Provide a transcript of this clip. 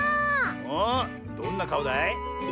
おっどんなかおだい？